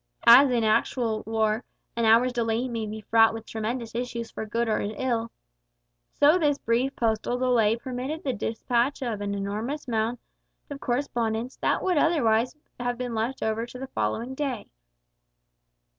As in actual war an hour's delay may be fraught with tremendous issues for good or ill, so this brief postal delay permitted the despatch of an enormous amount of correspondence that would have otherwise been left over to the following day.